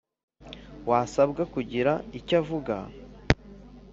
wasabwaga kugira icyo avuga